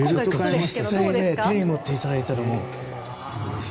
実際手に持っていただいたりも。